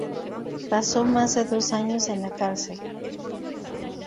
Pasó más de dos años en la cárcel.